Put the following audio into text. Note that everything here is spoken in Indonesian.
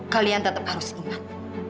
kalian tetap harus ingat